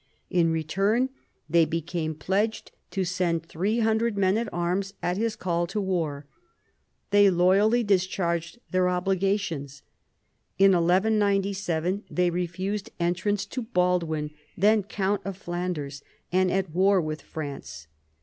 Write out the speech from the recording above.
In return, they became pledged to send three hundred men at arms at his call to war. They loyally discharged their obligations. In 1197 they refused entrance to Baldwin, then count of Flanders and at war with France.